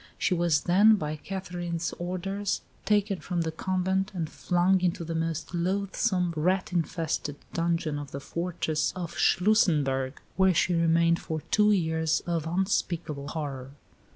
She was then, by Catherine's orders, taken from the convent, and flung into the most loathsome, rat infested dungeon of the fortress of Schlussenberg, where she remained for two years of unspeakable horror.